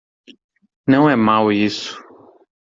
Não é mau isso